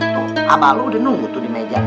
tuh abah lu udah nunggu tuh di meja